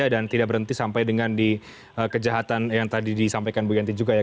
dan tidak berhenti sampai dengan di kejahatan yang tadi disampaikan bu yanti juga ya